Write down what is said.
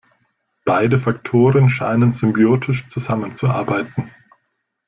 Beide Faktoren scheinen symbiotisch zusammenzuarbeiten.